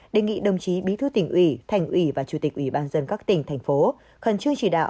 đề nghị đồng chí bí thư tỉnh ủy thành ủy và chủ tịch ủy ban dân các tỉnh thành phố khẩn trương chỉ đạo